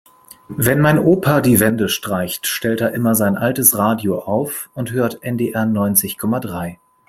Wenn mein Opa die Wände streicht, stellt er immer sein altes Radio auf und hört NDR neunzig Komma drei.